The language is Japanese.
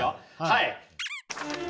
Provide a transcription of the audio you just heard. はい。